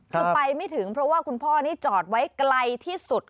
คือไปไม่ถึงเพราะว่าคุณพ่อนี่จอดไว้ไกลที่สุด